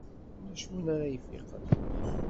Ulac win ara ifiqen.